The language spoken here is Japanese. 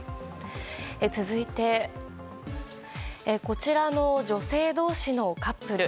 続いてこちらの女性同士のカップル。